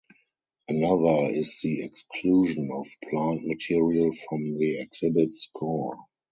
Another is the exclusion of plant material from the exhibit's core.